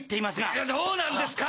いやどうなんですか！？